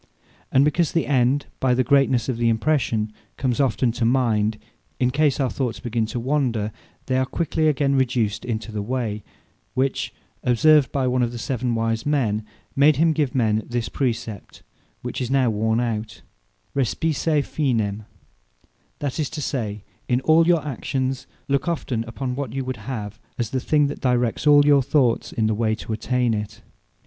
And because the End, by the greatnesse of the impression, comes often to mind, in case our thoughts begin to wander, they are quickly again reduced into the way: which observed by one of the seven wise men, made him give men this praecept, which is now worne out, Respice Finem; that is to say, in all your actions, look often upon what you would have, as the thing that directs all your thoughts in the way to attain it.